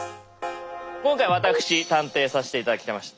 今回私探偵させて頂きました。